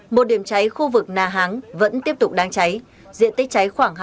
một điểm cháy khu vực nà háng vẫn tiếp tục đang cháy diện tích cháy khoảng hai hectare